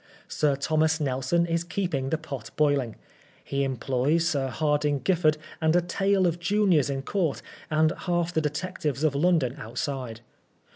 Sir Thomas Nelson is keeping the pot boUing. He employs Sir Hardinge Giffard and a tail of juniors in Court, and half the detectives of London outside.